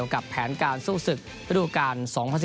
กับแผนการสู้ศึกระดูกาล๒๐๑๙